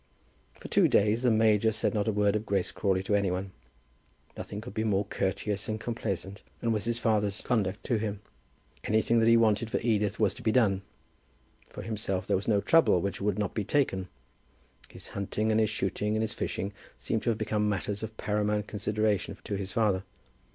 For two days the major said not a word of Grace Crawley to any one. Nothing could be more courteous and complaisant than was his father's conduct to him. Anything that he wanted for Edith was to be done. For himself there was no trouble which would not be taken. His hunting, and his shooting, and his fishing seemed to have become matters of paramount consideration to his father.